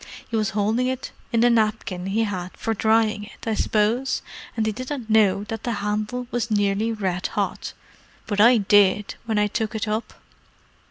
He was holding it in the napkin he had for drying it, I suppose, and he didn't know that the handle was nearly red hot. But I did, when I took it up!"